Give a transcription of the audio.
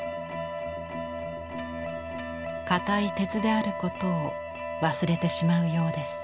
硬い鉄であることを忘れてしまうようです。